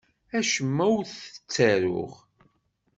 Acemma ur t-ttaruɣ.